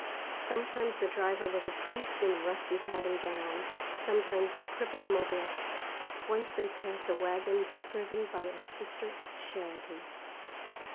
Sometimes the driver was a priest in rusty hat and gown, sometimes a crippled Mobile. Once they passed a wagon driven by a Sister of Charity.